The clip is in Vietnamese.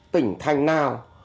tỉnh thành nào